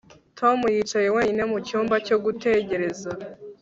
Tom yicaye wenyine mu cyumba cyo gutegereza